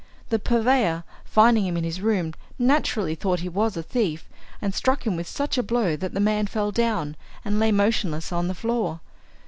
The purveyor, finding him in his room, naturally thought he was a thief, and struck him such a blow that the man fell down and lay motionless on the floor.